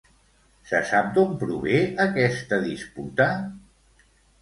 Se sap d'on prové aquesta disputa?